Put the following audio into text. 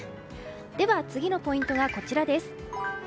では次のポイントはこちらです。